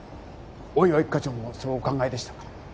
大岩一課長もそうお考えでしたか？